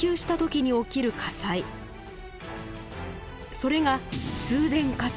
それが通電火災。